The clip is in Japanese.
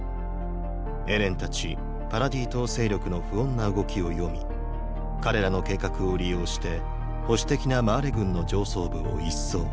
エレンたちパラディ島勢力の不穏な動きを読み彼らの計画を利用して保守的なマーレ軍の上層部を一掃